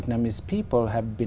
đã nói cho tôi về